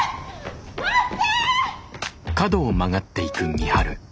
待って！